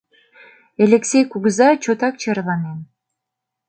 Элексей кугыза чотак черланен.